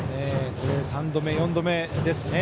３度目、４度目ですね。